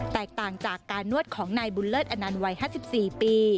แตกต่างจากการนวดของนายบุญเลิศอนันต์วัย๕๔ปี